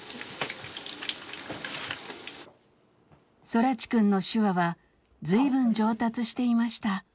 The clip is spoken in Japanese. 空知くんの手話はずいぶん上達していました。